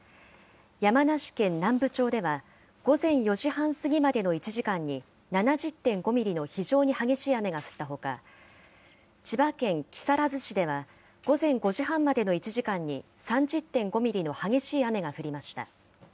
山梨県南部町では、午前４時半過ぎまでの１時間に７０．５ミリの非常に激しい雨が降ったほか、千葉県木更津市では、午前５時半までの１時間に３０．５ミリの激しい雨が降りました。